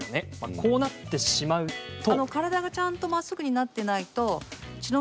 こうなってしまうと。